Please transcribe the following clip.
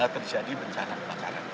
terjadi bencana kebakaran